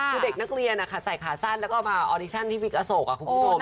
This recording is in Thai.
คือเด็กนักเรียนใส่ขาสั้นแล้วก็มาออดิชั่นที่วิกอโศกคุณผู้ชม